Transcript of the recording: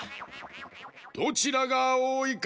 どちらがおおいか